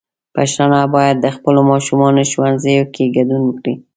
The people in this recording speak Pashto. پښتانه بايد د خپلو ماشومانو ښوونځيو کې ګډون وکړي.